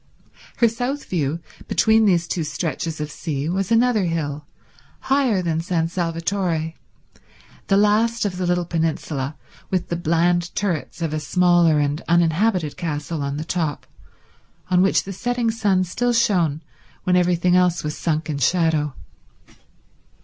Her south view, between these two stretches of sea, was another hill, higher than San Salvatore, the last of the little peninsula, with the bland turrets of a smaller and uninhabited castle on the top, on which the setting sun still shone when everything else was sunk in shadow.